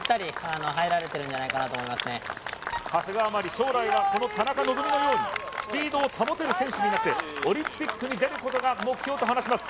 将来はこの田中希実のようにスピードを保てる選手になってオリンピックに出ることが目標と話します